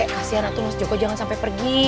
kasian atau mas joko jangan sampai pergi